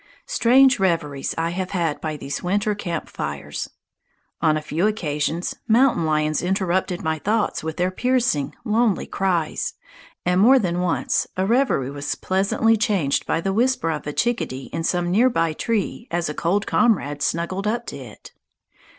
Strange reveries I have had by these winter camp fires. On a few occasions mountain lions interrupted my thoughts with their piercing, lonely cries; and more than once a reverie was pleasantly changed by the whisper of a chickadee in some near by tree as a cold comrade snuggled up to it.